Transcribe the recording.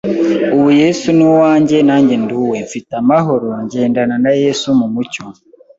ubu Yesu ni uwanjye nanjye ndi uwe. Mfite amahoro, ngendana na Yesu mu mucyo!